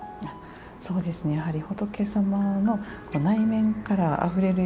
そうですねやはり仏様の内面からあふれるような